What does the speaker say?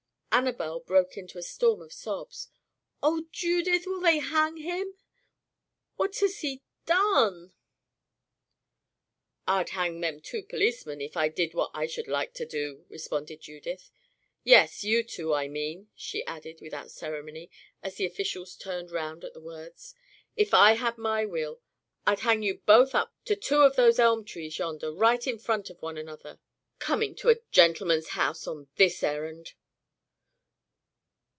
Annabel broke into a storm of sobs. "Oh, Judith! will they hang him? What has he done?" "I'd hang them two policemen, if I did what I should like to do," responded Judith. "Yes, you two, I mean," she added, without ceremony, as the officials turned round at the words. "If I had my will, I'd hang you both up to two of those elm trees yonder, right in front of one another. Coming to a gentleman's house on this errand!"